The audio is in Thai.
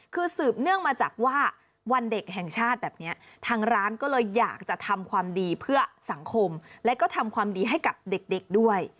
คือสืบเนื่องมาจากว่าวันเด็กแห่งชาติแบบนี้ทางร้านก็เลยอยากจะทำความดีเพื่อสังคมและก็ทำความดีให้กับเด็กด้วย